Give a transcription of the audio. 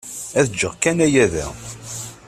Ad ǧǧeɣ kan aya da.